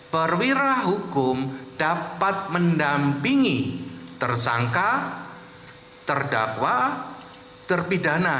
perwira hukum dapat mendampingi tersangka terdakwa terpidana